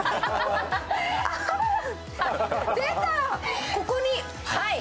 出た、ここに。